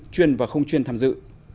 chuyên và không chuyên tham dự